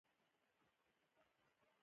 د مستقیې مداخلې عواقب هم